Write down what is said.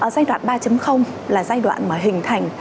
giai đoạn ba là giai đoạn mà hình thành